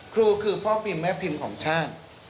ครูคือพ่อพิมพ์แม่พิมพ์ของชาติ